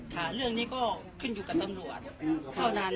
ค่ะเรื่องนี้ก็ขึ้นอยู่กับตำรวจเท่านั้น